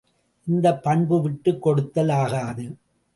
இந்தப் பண்பு விட்டுக் கொடுத்தல் ஆகாது.